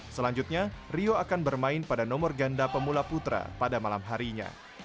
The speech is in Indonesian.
selanjutnya rio akan bermain pada nomor ganda pemula putra pada malam harinya